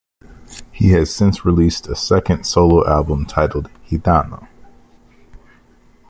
He has since released a second solo album titled "Gitano".